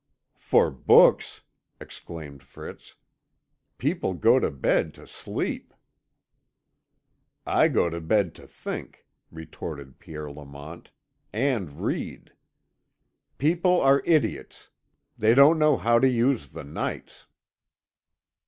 "For books!" exclaimed Fritz. "People go to bed to sleep." "I go to bed to think," retorted Pierre Lamont, "and read. People are idiots they don't know how to use the nights."